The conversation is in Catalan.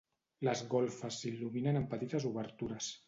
Les golfes s'il·luminen amb petites obertures.